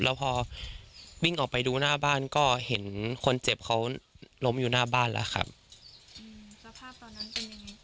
แล้วพอวิ่งออกไปดูหน้าบ้านก็เห็นคนเจ็บเขาล้มอยู่หน้าบ้านแล้วครับสภาพตอนนั้นเป็นยังไง